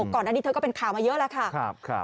ก่อนอันนี้เธอก็เป็นข่าวมาเยอะแล้วค่ะ